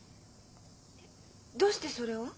えっどうしてそれを？